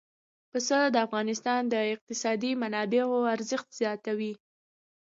پسه د افغانستان د اقتصادي منابعو ارزښت زیاتوي.